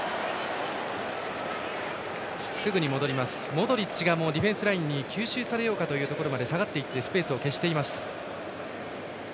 モドリッチがディフェンスラインに吸収されようかというところまで下がっていってスペースを消しています。